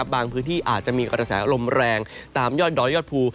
พื้นที่อาจจะมีกระแสลมแรงตามยอดดอยยอดภู